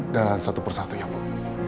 dan satu persatu ya bok